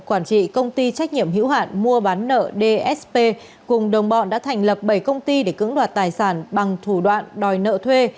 quản trị công ty trách nhiệm hữu hạn mua bán nợ cùng đồng bọn đã thành lập bảy công ty để cưỡng đoạt tài sản bằng thủ đoạn đòi nợ thuê